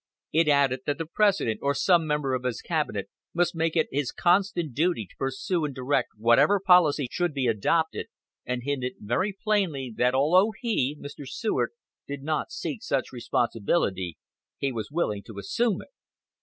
It added that the President or some member of his cabinet must make it his constant duty to pursue and direct whatever policy should be adopted, and hinted very plainly that although he, Mr. Seward, did not seek such responsibility, he was willing to assume it.